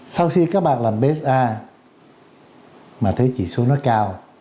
sau khi các bạn làm psa mà thấy chỉ số nó cao